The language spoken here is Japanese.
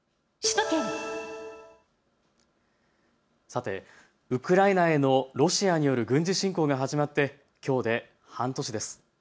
さて、ウクライナへのロシアによる軍事侵攻が始まってきょうで半年です。